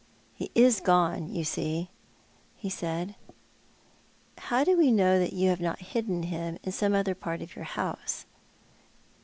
" He is gone, you see," he said. " How do we know that you have not hidden him in some other i^art of your house?